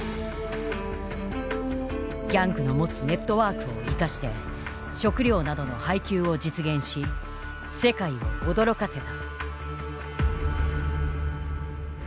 ギャングの持つネットワークを生かして食糧などの配給を実現し世界を驚かせた。